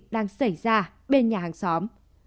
đang xảy ra bên nhà hàng xóm